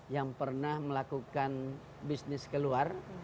yang pernah melakukan bisnis keluar